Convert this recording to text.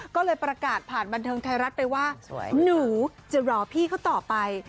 ก็เลยประกาศผ่านบันเทิงไทยรัฐไปว่าหนูจะรอพี่เขาต่อไป